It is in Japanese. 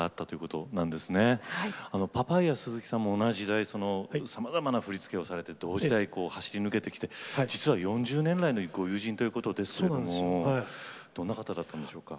パパイヤ鈴木さんも同じ時代さまざまな振り付けをされて同時代を駆け抜けてきて実は４０年来のご友人ということですけどもどんな方だったんでしょうか？